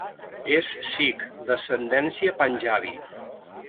És sikh d'ascendència panjabi.